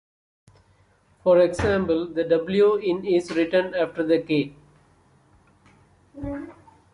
For example, the "w" in is written after the "k".